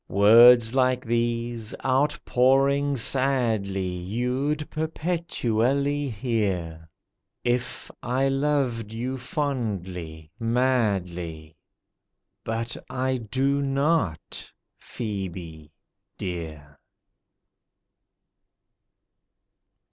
Words like these, outpouring sadly You'd perpetually hear, If I loved you fondly, madly;— But I do not, PHŒBE dear.